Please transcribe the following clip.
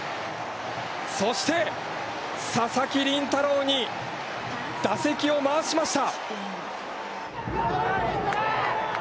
そして、佐々木麟太郎に打席を回しました。